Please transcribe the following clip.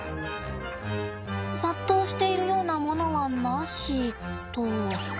殺到しているようなものはなしと。